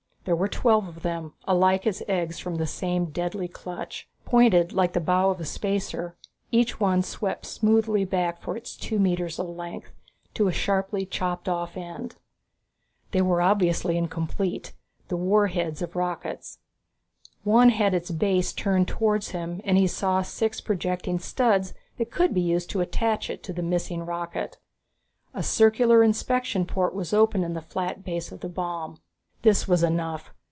There were twelve of them, alike as eggs from the same deadly clutch. Pointed like the bow of a spacer, each one swept smoothly back for its two metres of length, to a sharply chopped off end. They were obviously incomplete, the war heads of rockets. One had its base turned towards him, and he saw six projecting studs that could be used to attach it to the missing rocket. A circular inspection port was open in the flat base of the bomb. This was enough.